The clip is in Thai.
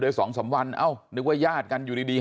สองสามวันเอ้านึกว่าญาติกันอยู่ดี